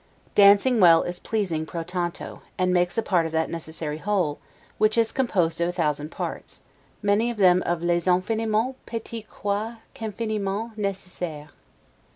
Dancing well is pleasing 'pro tanto', and makes a part of that necessary whole, which is composed of a thousand parts, many of them of 'les infiniment petits quoi qu'infiniment necessaires'.